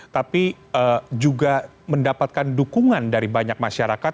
tapi juga mendapatkan dukungan dari banyak masyarakat